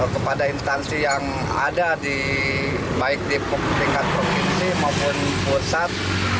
kepada instansi yang ada baik di tingkat provinsi maupun pusat